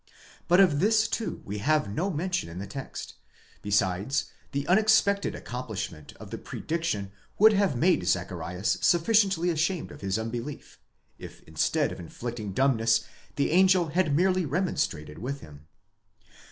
1° But of this too we have no mention in the text ; besides the unexpected accomplishment of the pre diction would have made Zacharias sufficiently ashamed of his unbelief, if instead of inflicting dumbness the angel had merely remonstrated with him.